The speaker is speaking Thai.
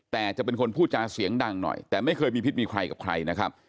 แต่จะเป็นคนพูดจาเสียงดังหน่อยแต่ไม่เคยมีพิษมีใครกับใครนะครับ